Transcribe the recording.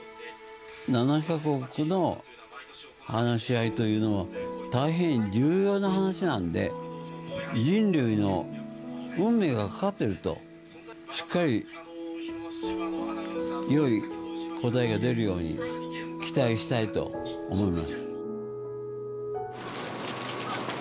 ７か国の話し合いというのは、大変重要な話なんで、人類の運命がかかっていると、しっかり、よい答えが出るように期待したいと思います。